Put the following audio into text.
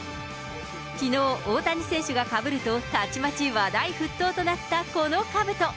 きのう、大谷選手がかぶると、たちまち話題沸騰となったこのかぶと。